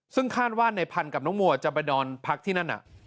ซึ่งคาดว่าในพันธุ์กับน้องมัวจะไปนอนพักที่นั่น